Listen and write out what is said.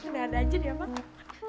nggak ada aja dia mak